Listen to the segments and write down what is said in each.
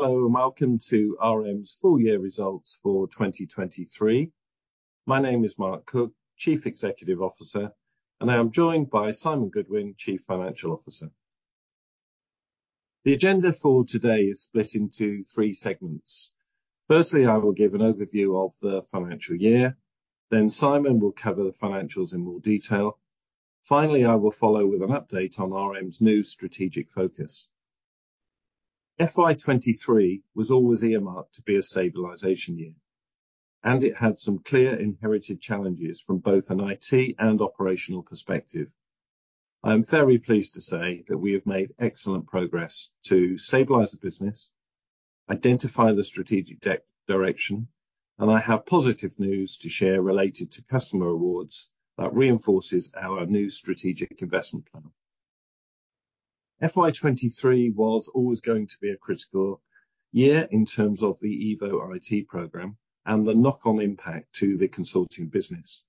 Hello, welcome to RM's Full Year Results for 2023. My name is Mark Cook, Chief Executive Officer, and I am joined by Simon Goodwin, Chief Financial Officer. The agenda for today is split into three segments. Firstly, I will give an overview of the Financial Year, then Simon will cover the financials in more detail. Finally, I will follow with an update on RM's new strategic focus. FY23 was always earmarked to be a stabilization year, and it had some clear inherited challenges from both an IT and operational perspective. I am very pleased to say that we have made excellent progress to stabilize the business, identify the strategic direction, and I have positive news to share related to customer rewards that reinforces our new strategic investment plan. FY23 was always going to be a critical year in terms of the EVO IT programme and the knock-on impact to the consulting business.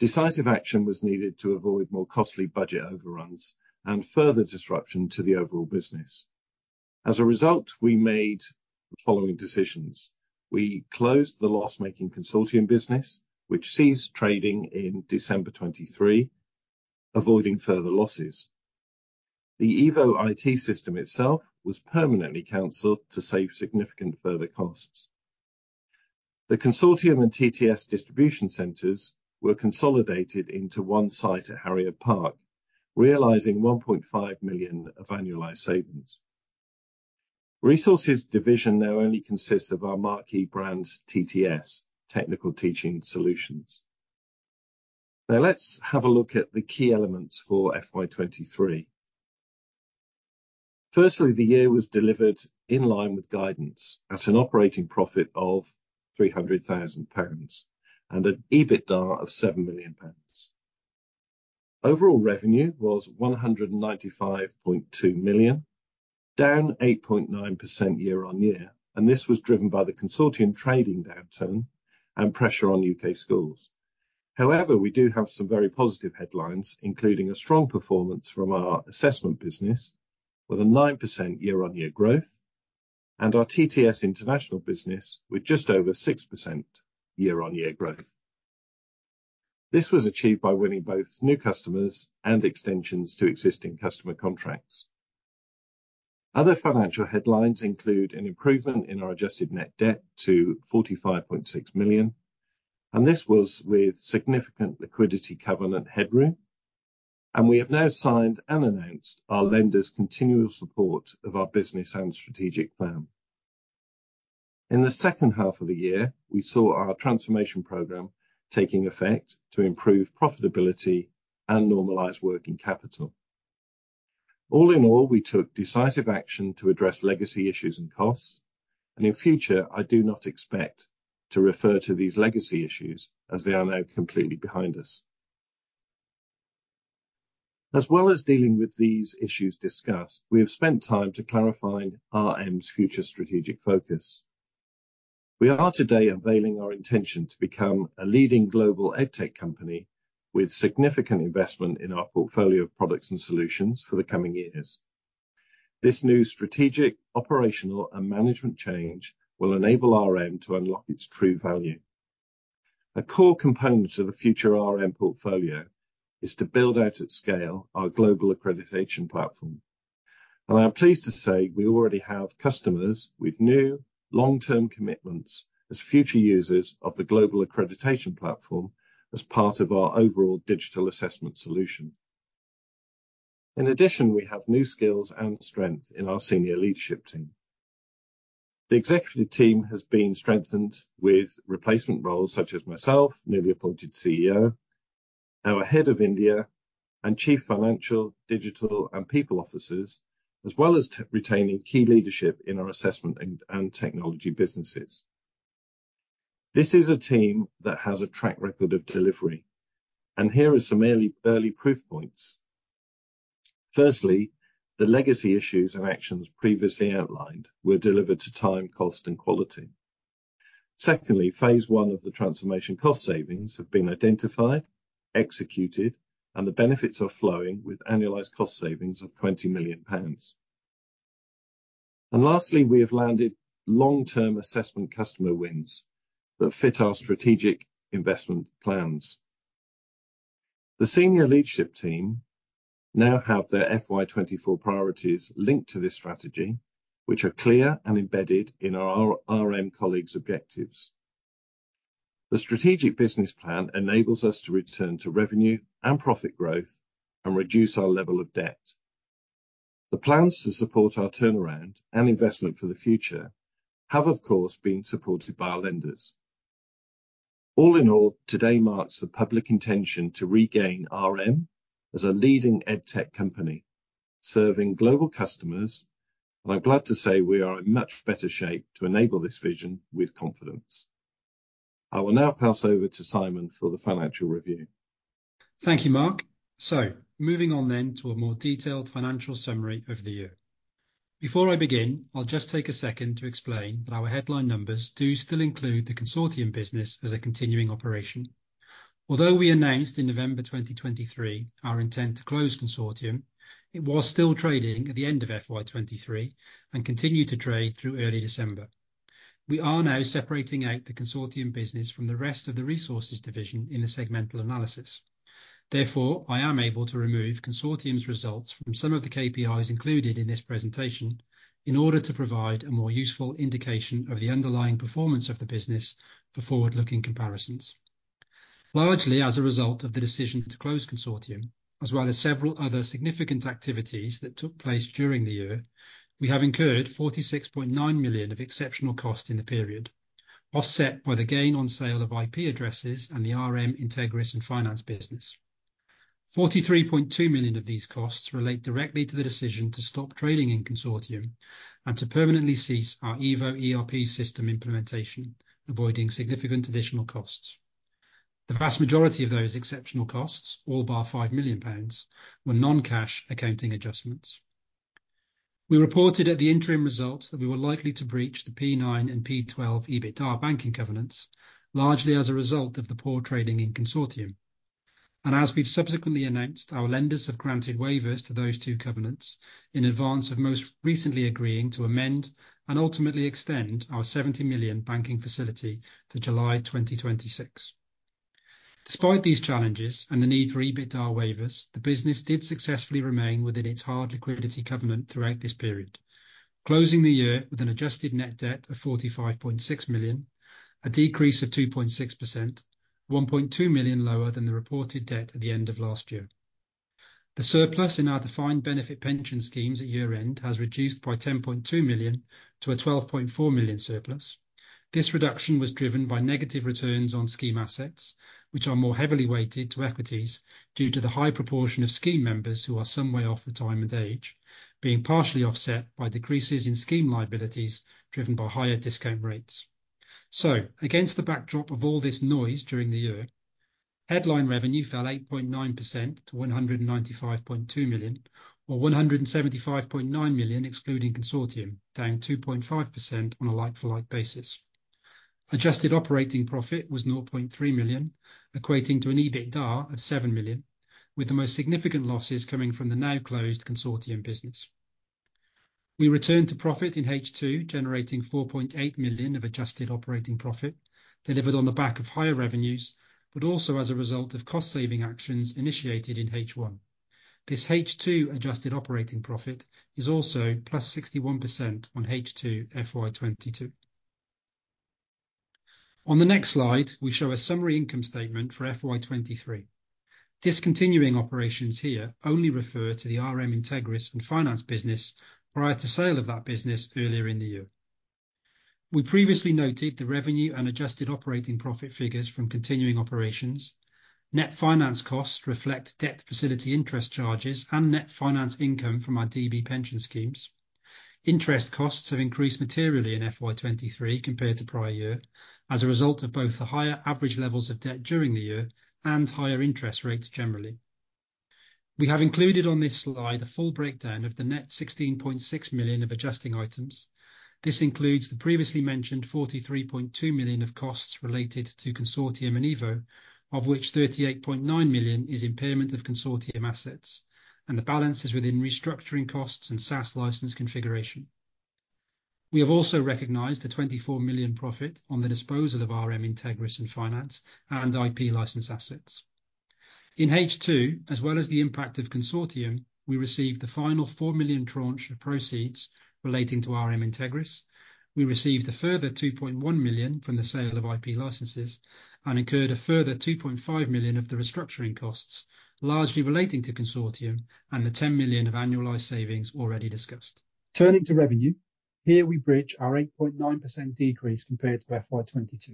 Decisive action was needed to avoid more costly budget overruns and further disruption to the overall business. As a result, we made the following decisions: we closed the loss-making consulting business, which ceased trading in December 2023, avoiding further losses. The EVO IT system itself was permanently cancelled to save significant further costs. The Consortium and TTS distribution centres were consolidated into one site at Harrier Park, realizing 1.5 million of annualized savings. Resources division now only consists of our marquee brand TTS, Technical Teaching Solutions. Now, let's have a look at the key elements for FY23. Firstly, the year was delivered in line with guidance at an operating profit of 300,000 pounds and an EBITDA of 7 million pounds. Overall revenue was 195.2 million, down 8.9% year-on-year, and this was driven by the Consortium trading downturn and pressure on UK schools. However, we do have some very positive headlines, including a strong performance from our assessment business with a 9% year-on-year growth and our TTS International business with just over 6% year-on-year growth. This was achieved by winning both new customers and extensions to existing customer contracts. Other financial headlines include an improvement in our adjusted net debt to 45.6 million, and this was with significant liquidity covenant headroom. We have now signed and announced our lenders' continual support of our business and strategic plan. In the second half of the year, we saw our transformation program taking effect to improve profitability and normalize working capital. All in all, we took decisive action to address legacy issues and costs, and in future, I do not expect to refer to these legacy issues as they are now completely behind us. As well as dealing with these issues discussed, we have spent time to clarify RM's future strategic focus. We are today unveiling our intention to become a leading global EdTech company with significant investment in our portfolio of products and solutions for the coming years. This new strategic, operational, and management change will enable RM to unlock its true value. A core component of the future RM portfolio is to build out at scale our Global Accreditation Platform. I am pleased to say we already have customers with new long-term commitments as future users of the Global Accreditation Platform as part of our overall digital assessment solution. In addition, we have new skills and strengths in our senior leadership team. The executive team has been strengthened with replacement roles such as myself, newly appointed CEO, our head of India, and chief financial, digital, and people officers, as well as retaining key leadership in our assessment and technology businesses. This is a team that has a track record of delivery, and here are some early proof points. Firstly, the legacy issues and actions previously outlined were delivered to time, cost, and quality. Secondly, phase one of the transformation cost savings has been identified, executed, and the benefits are flowing with annualized cost savings of 20 million pounds. And lastly, we have landed long-term assessment customer wins that fit our strategic investment plans. The senior leadership team now have their FY 2024 priorities linked to this strategy, which are clear and embedded in our RM colleagues' objectives. The strategic business plan enables us to return to revenue and profit growth and reduce our level of debt. The plans to support our turnaround and investment for the future have, of course, been supported by our lenders. All in all, today marks the public intention to regain RM as a leading EdTech company, serving global customers, and I'm glad to say we are in much better shape to enable this vision with confidence. I will now pass over to Simon for the financial review. Thank you, Mark. Moving on then to a more detailed financial summary of the year. Before I begin, I'll just take a second to explain that our headline numbers do still include the Consortium business as a continuing operation. Although we announced in November 2023 our intent to close Consortium, it was still trading at the end of FY23 and continued to trade through early December. We are now separating out the Consortium business from the rest of the Resources division in the segmental analysis. Therefore, I am able to remove Consortium's results from some of the KPIs included in this presentation in order to provide a more useful indication of the underlying performance of the business for forward-looking comparisons. Largely as a result of the decision to close Consortium, as well as several other significant activities that took place during the year, we have incurred 46.9 million of exceptional costs in the period, offset by the gain on sale of IP addresses and the RM Integris and Finance business. 43.2 million of these costs relate directly to the decision to stop trading in Consortium and to permanently cease our EVO ERP system implementation, avoiding significant additional costs. The vast majority of those exceptional costs, all bar 5 million pounds, were non-cash accounting adjustments. We reported at the interim results that we were likely to breach the P9 and P12 EBITDA banking covenants, largely as a result of the poor trading in Consortium. As we've subsequently announced, our lenders have granted waivers to those two covenants in advance of most recently agreeing to amend and ultimately extend our 70 million banking facility to July 2026. Despite these challenges and the need for EBITDA waivers, the business did successfully remain within its hard liquidity covenant throughout this period, closing the year with an adjusted net debt of 45.6 million, a decrease of 2.6%, 1.2 million lower than the reported debt at the end of last year. The surplus in our defined benefit pension schemes at year-end has reduced by 10.2 million to a 12.4 million surplus. This reduction was driven by negative returns on scheme assets, which are more heavily weighted to equities due to the high proportion of scheme members who are some way off the time and age, being partially offset by decreases in scheme liabilities driven by higher discount rates. So, against the backdrop of all this noise during the year, headline revenue fell 8.9% to 195.2 million, or 175.9 million excluding Consortium, down 2.5% on a like-for-like basis. Adjusted operating profit was 0.3 million, equating to an EBITDA of 7 million, with the most significant losses coming from the now closed Consortium business. We returned to profit in H2, generating 4.8 million of adjusted operating profit delivered on the back of higher revenues, but also as a result of cost-saving actions initiated in H1. This H2 adjusted operating profit is also plus 61% on H2 FY22. On the next slide, we show a summary income statement for FY23. Discontinued operations here only refer to the RM Integris and RM Finance business prior to sale of that business earlier in the year. We previously noted the revenue and adjusted operating profit figures from continuing operations. Net finance costs reflect debt facility interest charges and net finance income from our DB pension schemes. Interest costs have increased materially in FY23 compared to prior year as a result of both the higher average levels of debt during the year and higher interest rates generally. We have included on this slide a full breakdown of the net 16.6 million of adjusting items. This includes the previously mentioned 43.2 million of costs related to consortium and EVO, of which 38.9 million is impairment of consortium assets, and the balance is within restructuring costs and SaaS license configuration. We have also recognized a 24 million profit on the disposal of RM Integris and Finance and IP license assets. In H2, as well as the impact of consortium, we received the final 4 million tranche of proceeds relating to RM Integris. We received a further 2.1 million from the sale of IP licenses and incurred a further 2.5 million of the restructuring costs, largely relating to Consortium and the 10 million of annualized savings already discussed. Turning to revenue, here we bridge our 8.9% decrease compared to FY22.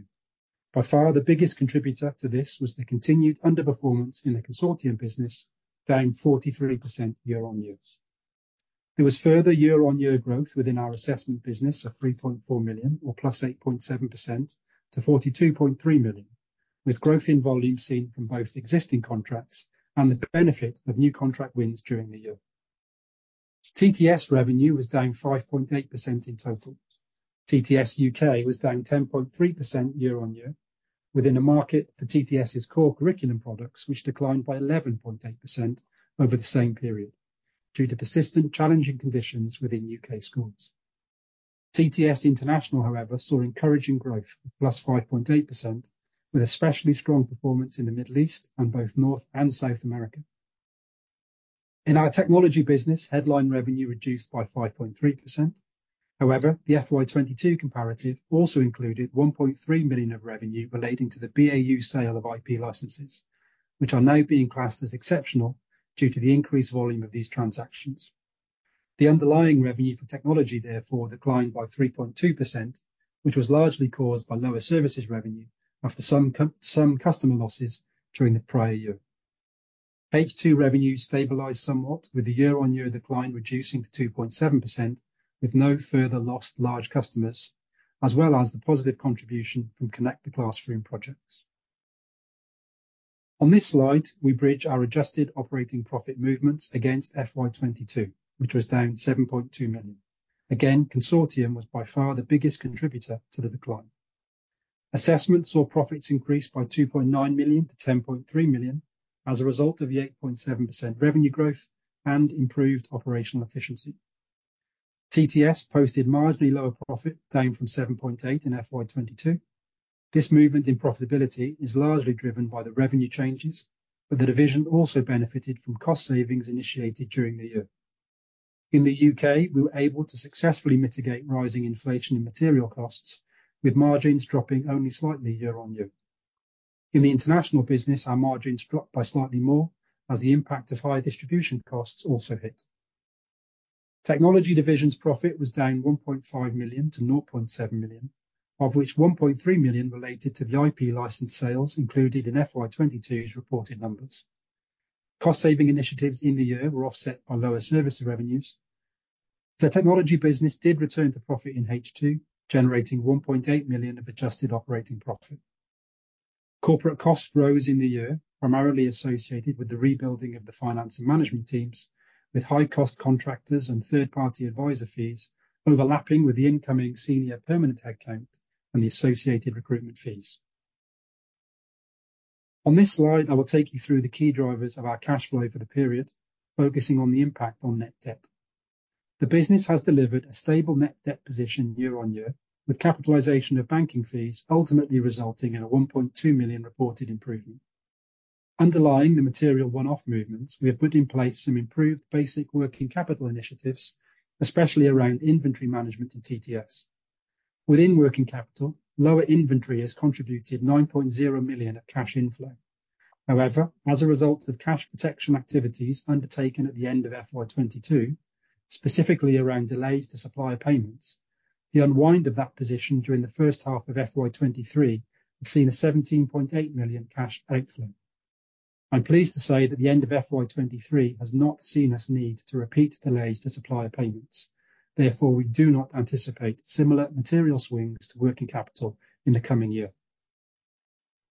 By far, the biggest contributor to this was the continued underperformance in the Consortium business, down 43% year-over-year. There was further year-over-year growth within our assessment business of 3.4 million, or +8.7%, to 42.3 million, with growth in volume seen from both existing contracts and the benefit of new contract wins during the year. TTS revenue was down 5.8% in total. TTS UK was down 10.3% year-over-year, within a market for TTS's core curriculum products, which declined by 11.8% over the same period due to persistent challenging conditions within UK schools. TTS International, however, saw encouraging growth of +5.8%, with especially strong performance in the Middle East and both North and South America. In our technology business, headline revenue reduced by 5.3%. However, the FY22 comparative also included 1.3 million of revenue relating to the BAU sale of IP licenses, which are now being classed as exceptional due to the increased volume of these transactions. The underlying revenue for technology, therefore, declined by 3.2%, which was largely caused by lower services revenue after some customer losses during the prior year. H2 revenue stabilised somewhat, with the year-on-year decline reducing to 2.7%, with no further lost large customers, as well as the positive contribution from Connect the Classroom projects. On this slide, we bridge our adjusted operating profit movements against FY22, which was down 7.2 million. Again, Consortium was by far the biggest contributor to the decline. Assessments saw profits increase by 2.9 million to 10.3 million as a result of the 8.7% revenue growth and improved operational efficiency. TTS posted marginally lower profit, down from 7.8 million in FY22. This movement in profitability is largely driven by the revenue changes, but the division also benefited from cost savings initiated during the year. In the UK, we were able to successfully mitigate rising inflation and material costs, with margins dropping only slightly year-over-year. In the international business, our margins dropped by slightly more as the impact of high distribution costs also hit. Technology division's profit was down 1.5 million to 0.7 million, of which 1.3 million related to the IP license sales included in FY22's reported numbers. Cost saving initiatives in the year were offset by lower services revenues. The technology business did return to profit in H2, generating 1.8 million of adjusted operating profit. Corporate costs rose in the year, primarily associated with the rebuilding of the finance and management teams, with high-cost contractors and third-party advisor fees overlapping with the incoming senior permanent headcount and the associated recruitment fees. On this slide, I will take you through the key drivers of our cash flow for the period, focusing on the impact on net debt. The business has delivered a stable net debt position year-over-year, with capitalization of banking fees ultimately resulting in a 1.2 million reported improvement. Underlying the material one-off movements, we have put in place some improved basic working capital initiatives, especially around inventory management and TTS. Within working capital, lower inventory has contributed 9.0 million of cash inflow. However, as a result of cash protection activities undertaken at the end of FY22, specifically around delays to supply payments, the unwind of that position during the first half of FY23 has seen a 17.8 million cash outflow. I'm pleased to say that the end of FY23 has not seen us need to repeat delays to supply payments. Therefore, we do not anticipate similar material swings to working capital in the coming year.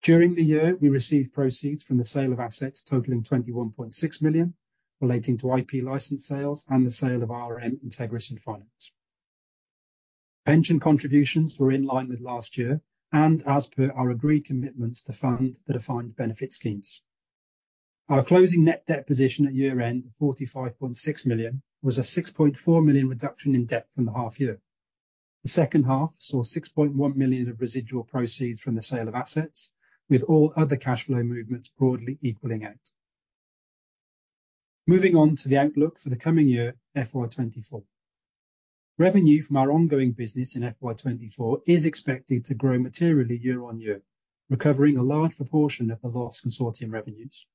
During the year, we received proceeds from the sale of assets totaling 21.6 million relating to IP licence sales and the sale of RM Integris and Finance. Pension contributions were in line with last year and as per our agreed commitments to fund the defined benefit schemes. Our closing net debt position at year-end of 45.6 million was a 6.4 million reduction in debt from the half year. The second half saw 6.1 million of residual proceeds from the sale of assets, with all other cash flow movements broadly equaling out. Moving on to the outlook for the coming year, FY 2024. Revenue from our ongoing business in FY 2024 is expected to grow materially year-over-year, recovering a large proportion of the lost Consortium revenues.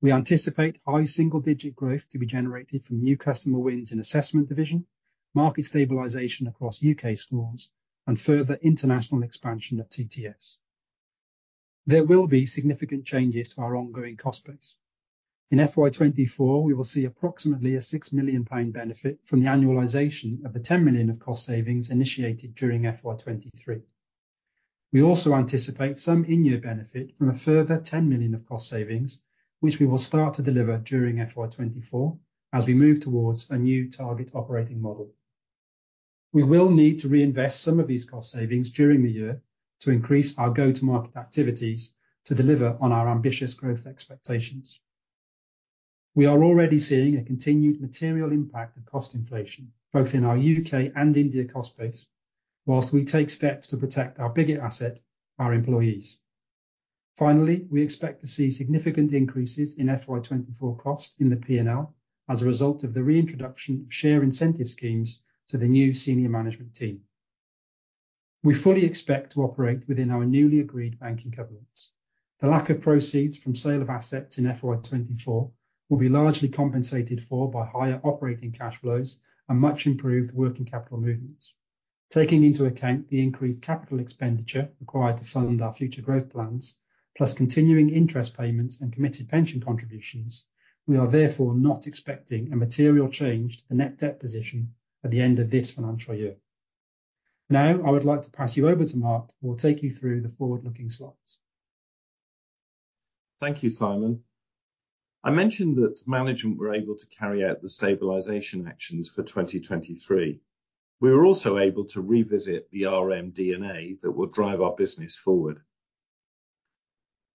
We anticipate high single-digit growth to be generated from new customer wins in Assessment Division, market stabilization across UK schools, and further international expansion of TTS. There will be significant changes to our ongoing cost base. In FY 2024, we will see approximately a 6 million pound benefit from the annualization of the 10 million of cost savings initiated during FY 2023. We also anticipate some in-year benefit from a further 10 million of cost savings, which we will start to deliver during FY 2024 as we move towards a new target operating model. We will need to reinvest some of these cost savings during the year to increase our go-to-market activities to deliver on our ambitious growth expectations. We are already seeing a continued material impact of cost inflation, both in our UK and India cost base, while we take steps to protect our biggest asset, our employees. Finally, we expect to see significant increases in FY24 costs in the P&L as a result of the reintroduction of share incentive schemes to the new senior management team. We fully expect to operate within our newly agreed banking covenants. The lack of proceeds from sale of assets in FY24 will be largely compensated for by higher operating cash flows and much improved working capital movements. Taking into account the increased capital expenditure required to fund our future growth plans, plus continuing interest payments and committed pension contributions, we are therefore not expecting a material change to the net debt position at the end of this financial year. Now, I would like to pass you over to Mark who will take you through the forward-looking slides. Thank you, Simon. I mentioned that management were able to carry out the stabilization actions for 2023. We were also able to revisit the RM DNA that would drive our business forward.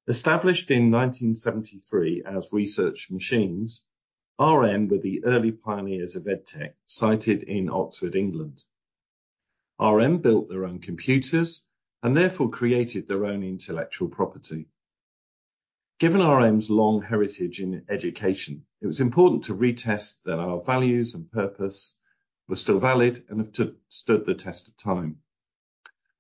Established in 1973 as Research Machines, RM were the early pioneers of EdTech sited in Oxford, England. RM built their own computers and therefore created their own intellectual property. Given RM's long heritage in education, it was important to retest that our values and purpose were still valid and have stood the test of time.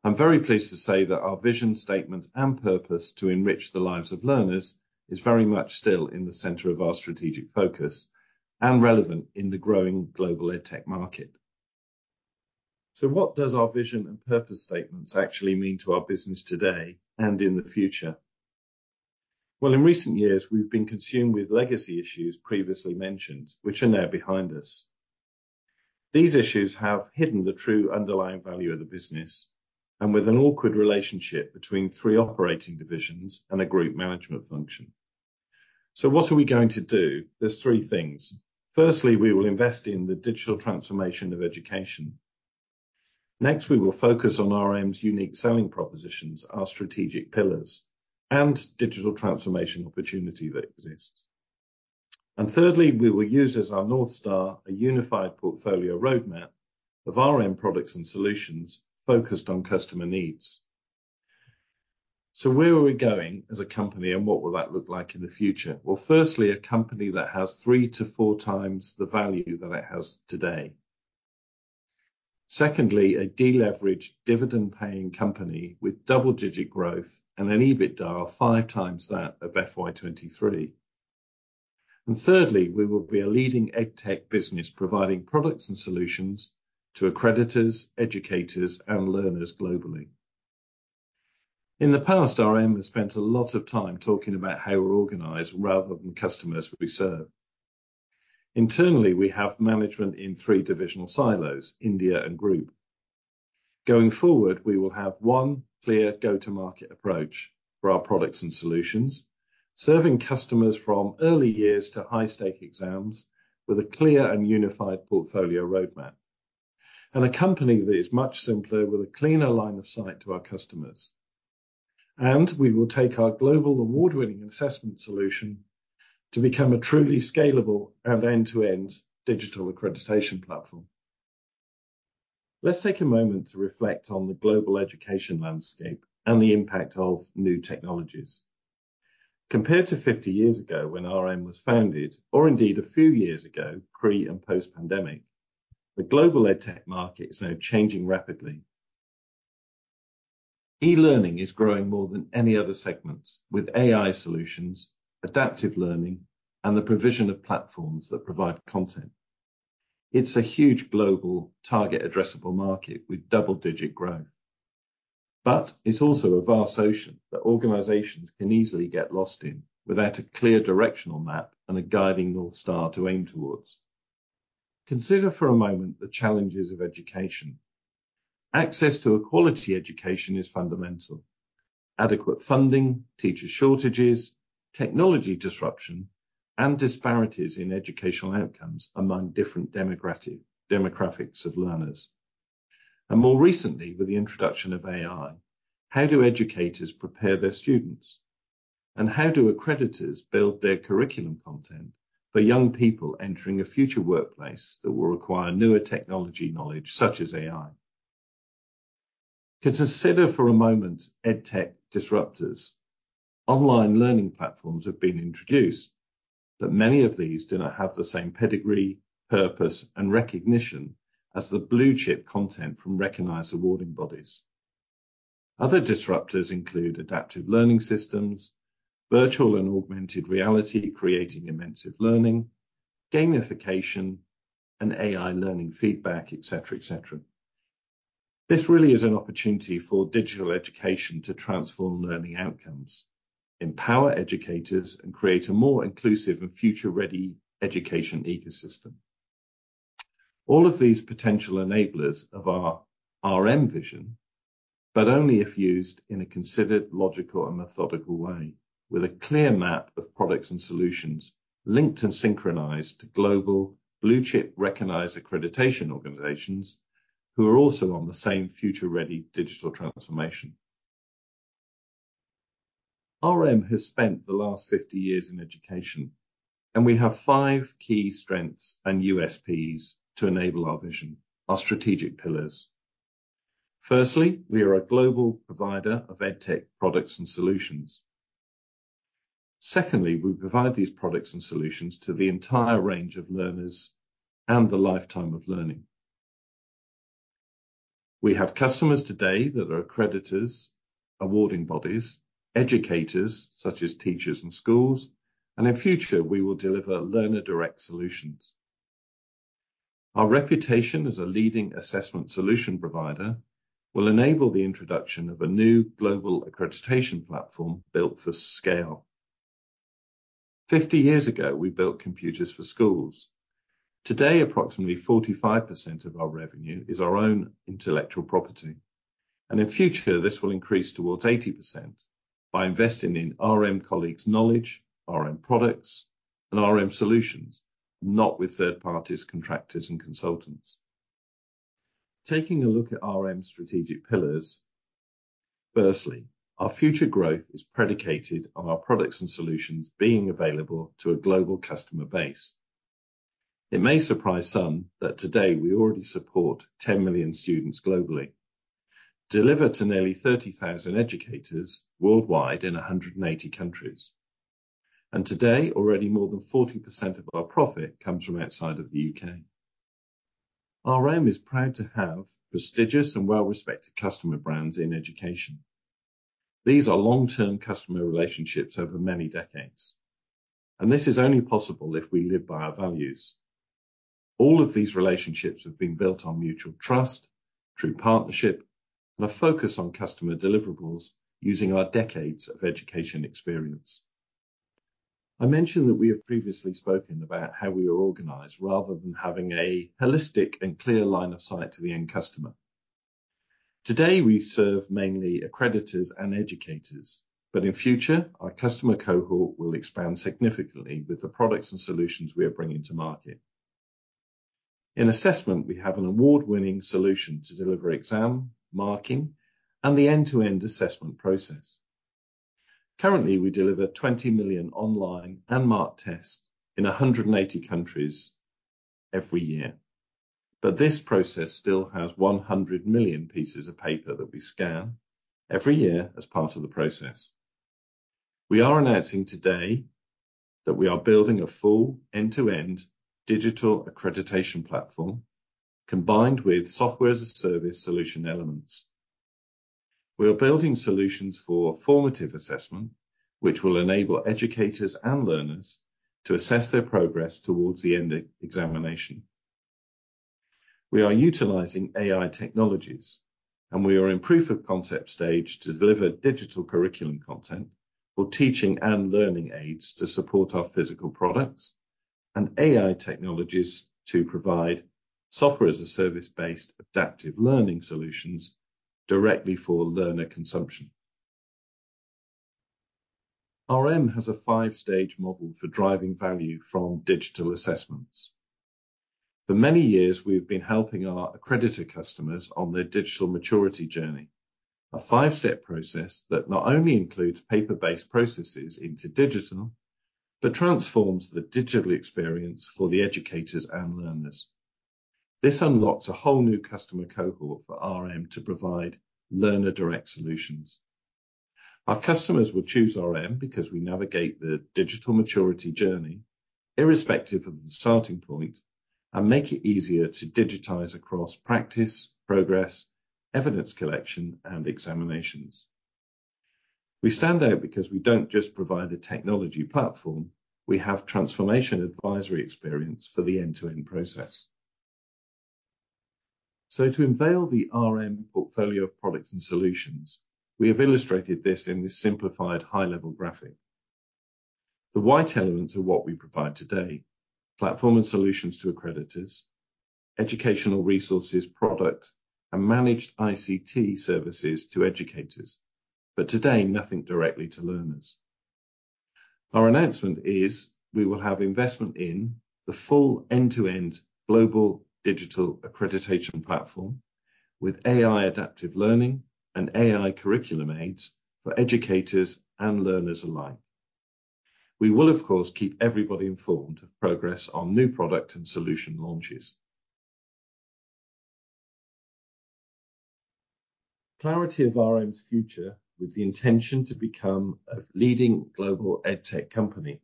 I'm very pleased to say that our vision statement and purpose to enrich the lives of learners is very much still in the center of our strategic focus and relevant in the growing global EdTech market. So what does our vision and purpose statements actually mean to our business today and in the future? Well, in recent years, we've been consumed with legacy issues previously mentioned, which are now behind us. These issues have hidden the true underlying value of the business and with an awkward relationship between three operating divisions and a group management function. So what are we going to do? There's three things. Firstly, we will invest in the digital transformation of education. Next, we will focus on RM's unique selling propositions, our strategic pillars, and digital transformation opportunity that exists. Thirdly, we will use as our North Star a unified portfolio roadmap of RM products and solutions focused on customer needs. So where are we going as a company and what will that look like in the future? Well, firstly, a company that has 3-4 times the value that it has today. Secondly, a deleveraged, dividend-paying company with double-digit growth and an EBITDA of 5 times that of FY23. Thirdly, we will be a leading EdTech business providing products and solutions to accreditors, educators, and learners globally. In the past, RM has spent a lot of time talking about how we're organized rather than customers we serve. Internally, we have management in 3 divisional silos, India and group. Going forward, we will have one clear go-to-market approach for our products and solutions, serving customers from early years to high-stakes exams with a clear and unified portfolio roadmap, and a company that is much simpler with a cleaner line of sight to our customers. We will take our global award-winning assessment solution to become a truly scalable and end-to-end digital accreditation platform. Let's take a moment to reflect on the global education landscape and the impact of new technologies. Compared to 50 years ago when RM was founded, or indeed a few years ago, pre- and post-pandemic, the global EdTech market is now changing rapidly. E-learning is growing more than any other segment, with AI solutions, adaptive learning, and the provision of platforms that provide content. It's a huge global target-addressable market with double-digit growth. But it's also a vast ocean that organizations can easily get lost in without a clear directional map and a guiding North Star to aim towards. Consider for a moment the challenges of education. Access to a quality education is fundamental: adequate funding, teacher shortages, technology disruption, and disparities in educational outcomes among different demographics of learners. More recently, with the introduction of AI, how do educators prepare their students? How do accreditors build their curriculum content for young people entering a future workplace that will require newer technology knowledge such as AI? Consider for a moment EdTech disruptors. Online learning platforms have been introduced, but many of these do not have the same pedigree, purpose, and recognition as the blue chip content from recognized awarding bodies. Other disruptors include adaptive learning systems, virtual and augmented reality creating immersive learning, gamification, and AI learning feedback, etc., etc. This really is an opportunity for digital education to transform learning outcomes, empower educators, and create a more inclusive and future-ready education ecosystem. All of these are potential enablers of our RM vision, but only if used in a considered logical and methodical way, with a clear map of products and solutions linked and synchronized to global blue chip recognized accreditation organizations who are also on the same future-ready digital transformation. RM has spent the last 50 years in education, and we have five key strengths and USPs to enable our vision, our strategic pillars. Firstly, we are a global provider of EdTech products and solutions. Secondly, we provide these products and solutions to the entire range of learners and the lifetime of learning. We have customers today that are accreditors, awarding bodies, educators such as teachers and schools, and in future, we will deliver learner-direct solutions. Our reputation as a leading assessment solution provider will enable the introduction of a new global accreditation platform built for scale. 50 years ago, we built computers for schools. Today, approximately 45% of our revenue is our own intellectual property. In future, this will increase towards 80% by investing in RM colleagues' knowledge, RM products, and RM solutions, not with third parties, contractors, and consultants. Taking a look at RM's strategic pillars. Firstly, our future growth is predicated on our products and solutions being available to a global customer base. It may surprise some that today we already support 10 million students globally, deliver to nearly 30,000 educators worldwide in 180 countries. Today, already more than 40% of our profit comes from outside of the UK. RM is proud to have prestigious and well-respected customer brands in education. These are long-term customer relationships over many decades. This is only possible if we live by our values. All of these relationships have been built on mutual trust, true partnership, and a focus on customer deliverables using our decades of education experience. I mentioned that we have previously spoken about how we are organized rather than having a holistic and clear line of sight to the end customer. Today, we serve mainly accreditors and educators, but in future, our customer cohort will expand significantly with the products and solutions we are bringing to market. In assessment, we have an award-winning solution to deliver exam, marking, and the end-to-end assessment process. Currently, we deliver 20 million online and marked tests in 180 countries every year. This process still has 100 million pieces of paper that we scan every year as part of the process. We are announcing today that we are building a full end-to-end digital accreditation platform combined with software-as-a-service solution elements. We are building solutions for formative assessment, which will enable educators and learners to assess their progress towards the end examination. We are utilizing AI technologies, and we are in proof-of-concept stage to deliver digital curriculum content for teaching and learning aids to support our physical products, and AI technologies to provide software-as-a-service-based adaptive learning solutions directly for learner consumption. RM has a five-stage model for driving value from digital assessments. For many years, we've been helping our accreditor customers on their digital maturity journey, a five-step process that not only includes paper-based processes into digital, but transforms the digital experience for the educators and learners. This unlocks a whole new customer cohort for RM to provide learner-direct solutions. Our customers will choose RM because we navigate the digital maturity journey, irrespective of the starting point, and make it easier to digitize across practice, progress, evidence collection, and examinations. We stand out because we don't just provide a technology platform. We have transformation advisory experience for the end-to-end process. To unveil the RM portfolio of products and solutions, we have illustrated this in this simplified high-level graphic. The white elements are what we provide today: platform and solutions to accreditors, educational resources product, and managed ICT services to educators, but today, nothing directly to learners. Our announcement is we will have investment in the full end-to-end global digital accreditation platform with AI-adaptive learning and AI curriculum aids for educators and learners alike. We will, of course, keep everybody informed of progress on new product and solution launches. Clarity of RM's future with the intention to become a leading global EdTech company.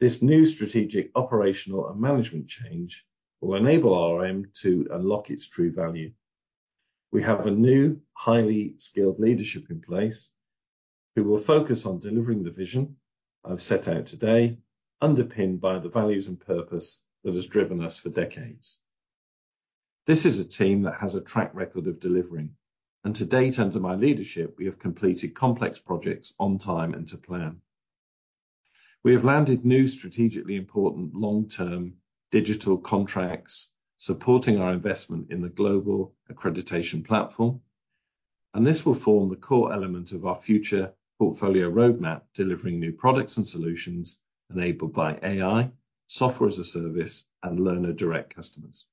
This new strategic operational and management change will enable RM to unlock its true value. We have a new, highly skilled leadership in place who will focus on delivering the vision I've set out today, underpinned by the values and purpose that has driven us for decades. This is a team that has a track record of delivering, and to date, under my leadership, we have completed complex projects on time and to plan. We have landed new strategically important long-term digital contracts supporting our investment in the Global Accreditation Platform, and this will form the core element of our future portfolio roadmap delivering new products and solutions enabled by AI, software-as-a-service, and learner-direct customers.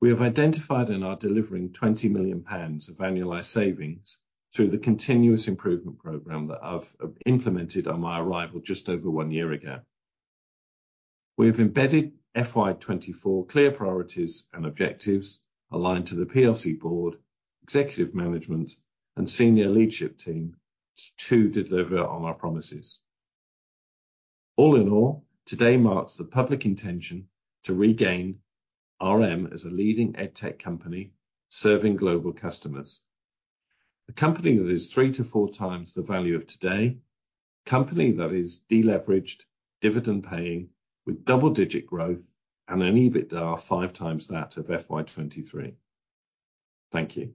We have identified in our delivering 20 million pounds of annualized savings through the continuous improvement program that I've implemented on my arrival just over one year ago. We have embedded FY24 clear priorities and objectives aligned to the plc board, executive management, and senior leadership team to deliver on our promises. All in all, today marks the public intention to regain RM as a leading EdTech company serving global customers. A company that is three to four times the value of today, a company that is deleveraged, dividend-paying, with double-digit growth, and an EBITDA five times that of FY23. Thank you.